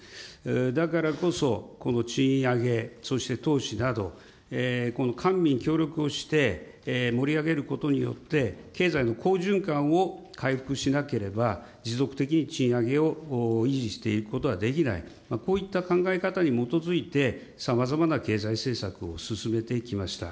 だからこそ、この賃上げ、そして投資など、この官民協力をして、盛り上げることによって、経済の好循環を回復しなければ、持続的に賃上げを維持していくことはできない、こういった考え方に基づいて、さまざまな経済政策を進めてきました。